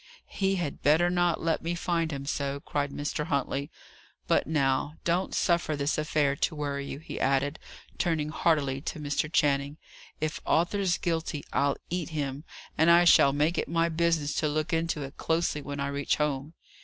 "He had better not let me find him so," cried Mr. Huntley. "But now, don't suffer this affair to worry you," he added, turning heartily to Mr. Channing. "If Arthur's guilty, I'll eat him; and I shall make it my business to look into it closely when I reach home.